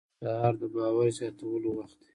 سهار د باور زیاتولو وخت دی.